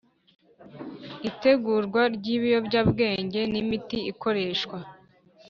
Itegurwa ry ibiyobyabwenge n imiti ikoreshwa